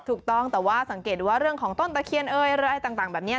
ถูกต้องแต่ว่าสังเกตดูว่าเรื่องของต้นตะเคียนเอยอะไรต่างแบบนี้